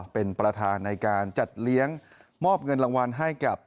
เป็นประธานในการจัดเลี้ยงมอบเงินรางวัลให้กับ